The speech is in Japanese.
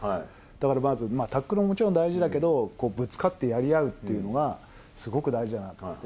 だからまず、タックルももちろん大事だけど、ぶつかってやり合うっていうのがすごく大事だなと思って。